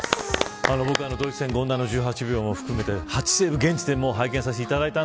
僕、ドイツ戦権田の１８秒も含めた８セーブ現地で拝見しました。